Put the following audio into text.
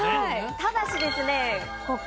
ただしですね今回。